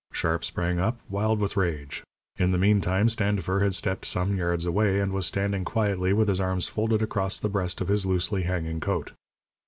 Sharp sprang up, wild with rage. In the meantime Standifer had stepped some yards away, and was standing quietly with his arms folded across the breast of his loosely hanging coat.